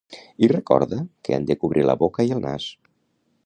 I recorda que han de cobrir la boca i el nas.